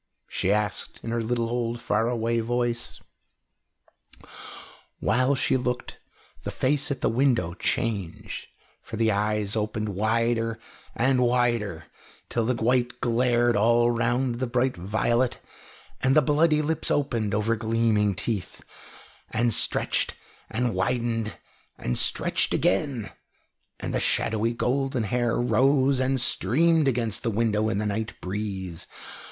she asked in her little old, faraway voice. While she looked the face at the window changed, for the eyes opened wider and wider till the white glared all round the bright violet, and the bloody lips opened over gleaming teeth, and stretched and widened and stretched again, and the shadowy golden hair rose and streamed against the window in the night breeze.